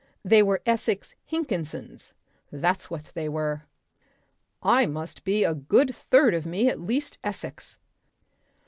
They were Essex Hinkinsons. That's what they were. I must be a good third of me at least Essex.